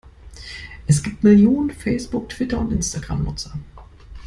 Es gibt Millionen Facebook-, Twitter- und Instagram-Nutzer.